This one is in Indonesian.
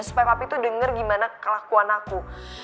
supaya papi tuh denger gimana kelakuan aku